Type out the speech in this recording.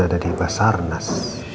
ada di basarnas